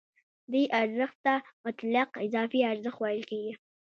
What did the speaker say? دې ارزښت ته مطلق اضافي ارزښت ویل کېږي